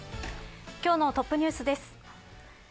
今日のトップニュースです。